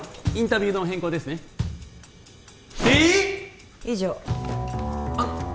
インタビューの変更ですねえっ！